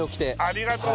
ありがとう！